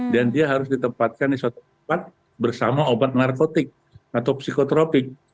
dan dia harus ditempatkan di suatu tempat bersama obat narkotik atau psikotropik